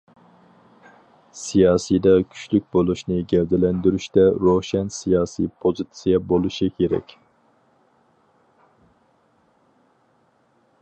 سىياسىيدا كۈچلۈك بولۇشنى گەۋدىلەندۈرۈشتە روشەن سىياسىي پوزىتسىيە بولۇشى كېرەك.